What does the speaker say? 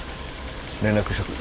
連絡しとく。